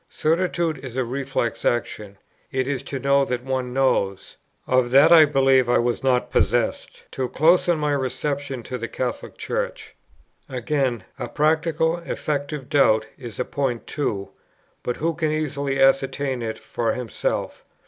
Certitude is a reflex action; it is to know that one knows. Of that I believe I was not possessed, till close upon my reception into the Catholic Church. Again, a practical, effective doubt is a point too, but who can easily ascertain it for himself?